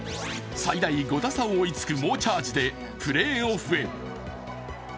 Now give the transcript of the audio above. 最大５打差を追いつく猛チャージでプレーオフへ。